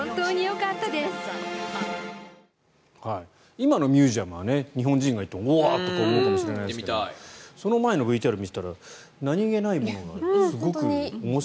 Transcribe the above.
今のミュージアムは日本人が行ってもおわっ！とか思うかもしれないですけどその前のＶＴＲを見ていたら何気ないものがすごく面白い。